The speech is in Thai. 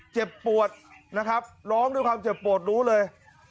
เจ็บปวดนะครับร้องด้วยความเจ็บปวดรู้เลย